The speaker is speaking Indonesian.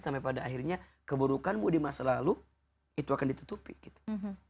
sampai pada akhirnya keburukanmu di masa lalu itu akan ditutupi gitu